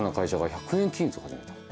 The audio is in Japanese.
「１００円均一を始めた」